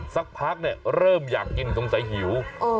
สักพักเนี่ยเริ่มอยากกินต้องใจหิว